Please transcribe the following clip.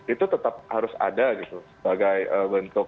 itu tetap harus ada gitu sebagai bentuk